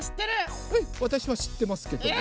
わたしはしってますけども。